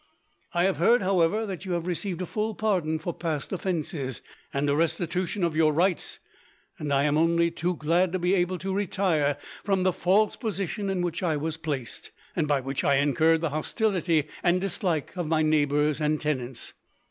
I have heard, however, that you have received a full pardon for past offences, and a restitution of your rights, and I am only too glad to be able to retire from the false position in which I was placed, and by which I incurred the hostility and dislike of my neighbours and tenants.